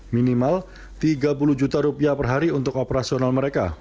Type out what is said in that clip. minimal tiga puluh juta rupiah per hari untuk operasional mereka